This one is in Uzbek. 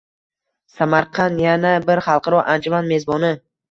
Samarqand yana bir xalqaro anjuman mezboni